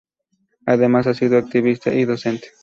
Además ha sido activista y docente.